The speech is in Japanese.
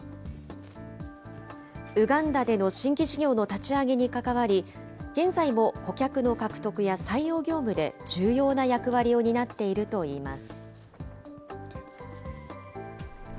ウガンダでの新規事業の立ち上げに関わり、現在も顧客の獲得や採用業務で重要な役割を担っているといいます。